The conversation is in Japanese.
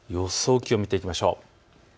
気温、見ていきましょう。